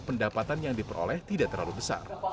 pendapatan yang diperoleh tidak terlalu besar